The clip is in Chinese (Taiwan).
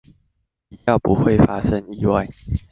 比較不會發生意外